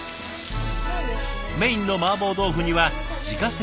メインのマーボー豆腐には自家製のこうじみそを。